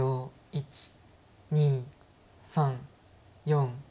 １２３４。